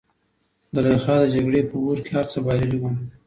زلیخا د جګړې په اور کې هر څه بایللي وو.